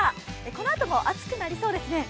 このあとも暑くなりそうですね。